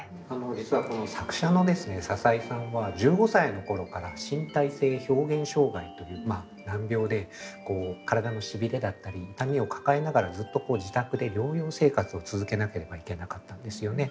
実はこの作者のですね笹井さんは１５歳の頃から身体性表現障害という難病で体のしびれだったり痛みを抱えながらずっとこう自宅で療養生活を続けなければいけなかったんですよね。